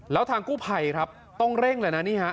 แล้วทางกู้ภัยครับต้องเร่งเลยนะนี่ฮะ